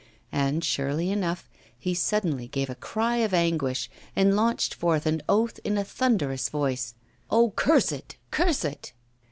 And, surely enough, he suddenly gave a cry of anguish, and launched forth an oath in a thunderous voice. 'Oh, curse it! curse it!